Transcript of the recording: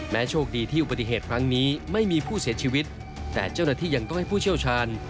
โชคดีที่อุบัติเหตุครั้งนี้ไม่มีผู้เสียชีวิตแต่เจ้าหน้าที่ยังต้องให้ผู้เชี่ยวชาญ